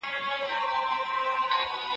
ته احمق یې خو له بخته ګړندی یې